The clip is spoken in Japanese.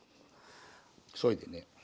そいでね。